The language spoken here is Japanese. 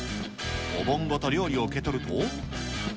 お盆ごと料理を受け取ると。